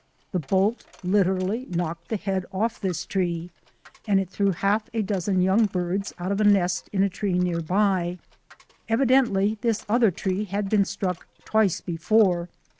The bolt literally knocked the head off this tree and it threw half a dozen young birds out of a nest in a tree near by. Evidently this other tree had been struck twice before.